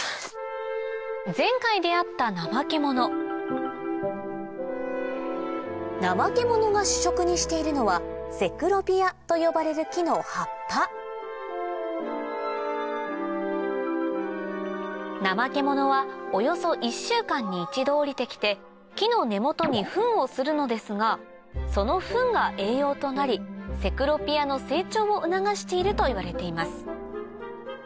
前回出合ったナマケモノナマケモノが主食にしているのはセクロピアと呼ばれる木の葉っぱナマケモノはおよそ１週間に一度下りてきて木の根元にフンをするのですがそのフンが栄養となりセクロピアの成長を促しているといわれています